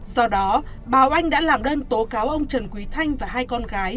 do đó báo anh đã làm đơn tố cáo ông trần quý thanh và hai con gái